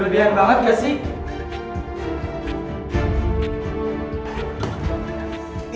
belut belut banget gak sih